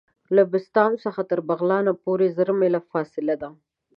له بسطام څخه تر بغلان پوري زر میله فاصله ده.